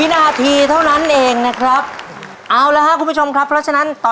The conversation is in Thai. ๕โมงเย็นค่ะ